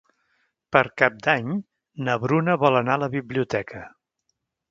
Per Cap d'Any na Bruna vol anar a la biblioteca.